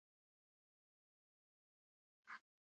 اوړه د قرصو لپاره هم ګټور دي